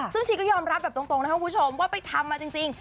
ซึ่งชีก็ยอมรับแบบตรงนะครับคุณผู้ชมว่าไปทำมาจริง